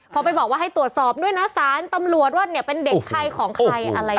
พอไปบอกว่าให้ตรวจสอบด้วยนะสารตำรวจว่าเนี่ยเป็นเด็กใครของใครอะไร